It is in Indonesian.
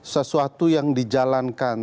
sesuatu yang dijalankan